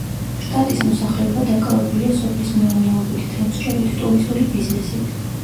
შტატის მოსახლეობა დაკავებულია სოფლის მეურნეობით, თევზჭერით, ტურისტული ბიზნესით.